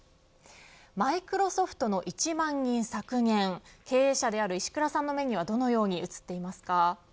マイクロソフトの１万人削減経営者である石倉さんの目にはどのように映っていますか。